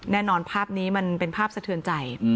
แน่นอนภาพนี้มันเป็นภาพสะเทือนใจ